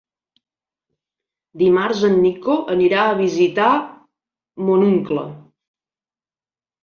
Dimarts en Nico anirà a visitar mon oncle.